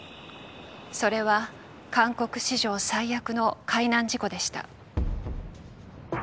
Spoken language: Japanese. それは韓国史上最悪の海難事故でした。